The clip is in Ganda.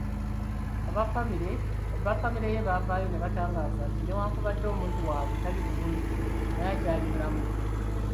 Aba ffamire ye baavaayo ne batangaaza nti newankubadde omuntu waabwe tali bulungi, naye akyali mulamu.